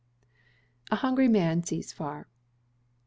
[A HUNGRY MAN SEES FAR.